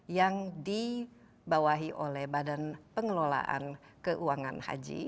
yang dibawahi oleh badan pengelolaan keuangan haji